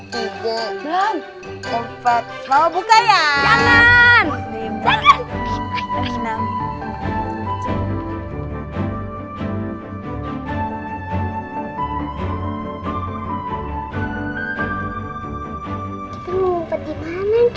kita mau ngumpet dimana ncus